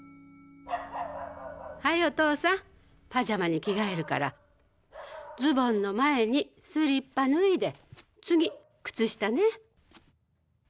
はいおとうさんパジャマに着替えるからズボンの前にスリッパ脱いで次靴下ね。